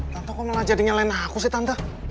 tante kok malah jadi nyalen aku sih tante